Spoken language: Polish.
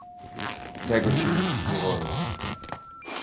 "Tego ci mówić nie wolno."